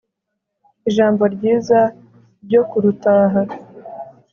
Ijambo ryiza ryo kurutaha